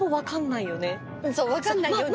そう分かんないように。